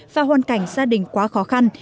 và hoàn cảnh gia đình quá khó khăn